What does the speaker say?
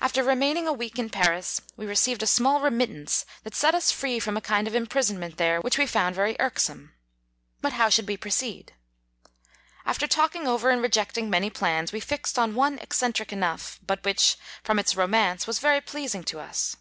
After remaining a week in Paris, we received a small remittance that set us free from a kind of imprisonment there 13 which we found very irksome. But how should we proceed ? After talk ing over and rejecting many plan9, we fixed on one eccentric enough, but which, from its romance, was very pleasing to us.